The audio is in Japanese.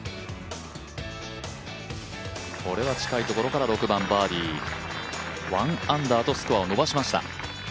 これは近いところから６番バーディー１アンダーとスコアを伸ばしました